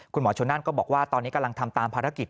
คุณหมอชนนั่นก็บอกว่าตอนนี้กำลังทำตามภารกิจ